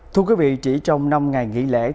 thưa quý vị chỉ trong năm ngày nghỉ lễ